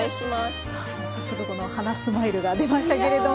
早速このはなスマイルが出ましたけれども。